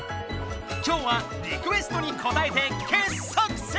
今日はリクエストにこたえて傑作選！